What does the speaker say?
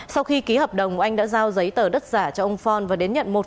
sau khi ký hợp đồng oanh đã giao giấy tờ đất giả cho ông phong và đến nhận một hai tỷ đồng